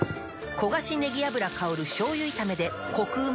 焦がしねぎ油香る醤油炒めでコクうま